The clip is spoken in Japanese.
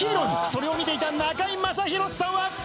それを見ていた中居正広さんは。